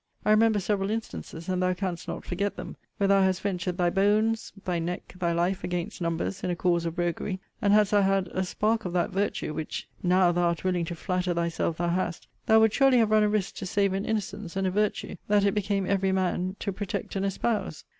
I remember several instances, and thou canst not forget them, where thou hast ventured thy bones, thy neck, thy life, against numbers, in a cause of roguery; and hadst thou had a spark of that virtue, which now thou art willing to flatter thyself thou hast, thou wouldst surely have run a risk to save an innocence, and a virtue, that it became every man to protect and espouse.